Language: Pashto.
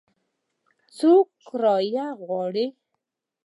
څو کرایه غواړي ؟